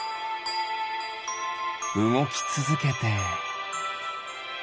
うごきつづけて。